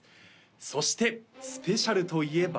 そしてスペシャルといえば？